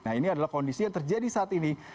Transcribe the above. nah ini adalah kondisi yang terjadi saat ini